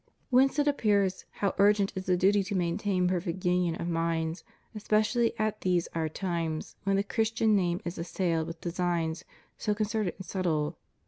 Whence it appears how urgent is the duty to maintain perfect union of minds, especially at these our times, when the Christian name is assailed with designs so con certed and subtle.